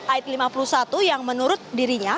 ayat lima puluh satu yang menurut dirinya